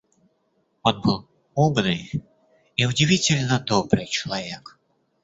Он был умный и удивительно добрый человек.